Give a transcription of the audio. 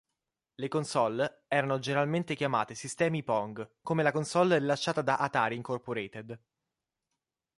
Le console erano generalmente chiamate sistemi Pong, come la console rilasciata da Atari, Inc.